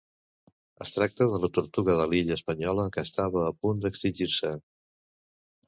Es tracta de la tortuga de l'illa Espanyola que estava a punt d'extingir-se.